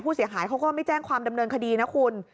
ผู้เสียหายเขาก็ไม่แจ้งความดำเนินคดีนะคุณ